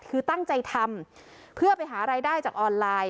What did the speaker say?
คือตั้งใจทำเพื่อไปหารายได้จากออนไลน์